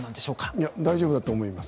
いや大丈夫だと思います。